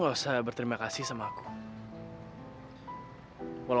waktu masih muda